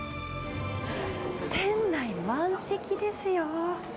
店内、満席ですよ。